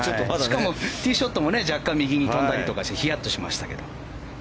ティーショットも若干右に飛んだりしてヒヤッとしましたけど。